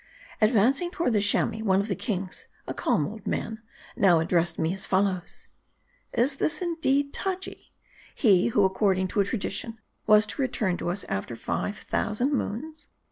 Advancing toward the Chamois, one of the kings, a calm old man, now addressed me as follows :" Is this indeed Taji ? he, who according to a tradition, was to return to us after five thousand moons